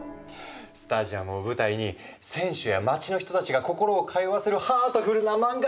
スタジアムを舞台に選手や街の人たちが心を通わせるハートフルな漫画！